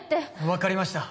わかりました。